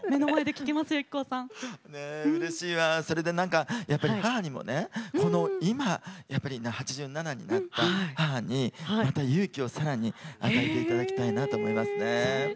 それで母にもね今、やっぱり８７になった母にまた勇気をさらに与えていただきたいなと思いますね。